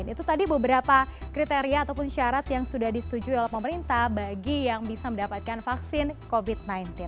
itu tadi beberapa kriteria ataupun syarat yang sudah disetujui oleh pemerintah bagi yang bisa mendapatkan vaksin covid sembilan belas